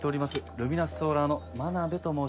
ルミナスソーラーの真鍋と申します。